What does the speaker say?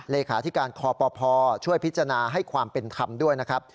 เลขาธิการคอปภช่วยพิจารณาให้ความเป็นธรรมด้วยนะครับ